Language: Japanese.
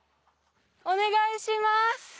お願いします。